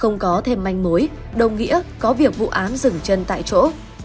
không có thêm manh mối đồng nghĩa có việc vụ án dừng chân tại chỗ